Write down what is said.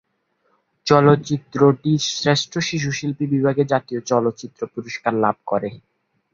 চলচ্চিত্রটি শ্রেষ্ঠ শিশুশিল্পী বিভাগে জাতীয় চলচ্চিত্র পুরস্কার লাভ করে।